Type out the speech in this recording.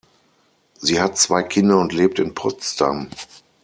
Sie hat zwei Kinder und lebt in Potsdam.